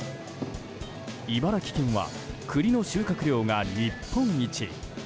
茨城県は栗の収穫量が日本一。